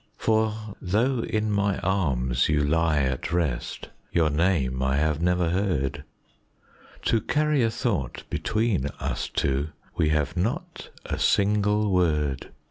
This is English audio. For though in my arms you lie at rest, your name I have never heard, To carry a thought between us two, we have not a single word.